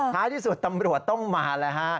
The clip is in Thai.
ท้ายที่สุดตำรวจต้องมาแล้วฮะ